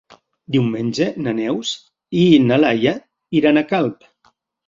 Diumenge na Neus i na Laia iran a Calp.